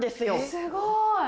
すごい。